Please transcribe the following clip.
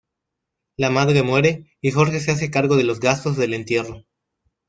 La madre muere, y Jorge se hace cargo de los gastos del entierro.